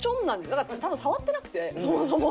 だから多分触ってなくてそもそも。